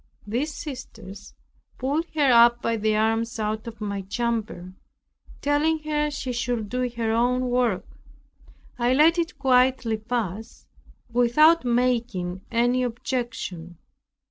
These sisters pulled her by the arms out of my chamber, telling her she should do her own work. I let it quietly pass, without making any objection.